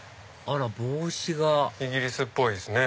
あら帽子がイギリスっぽいですね。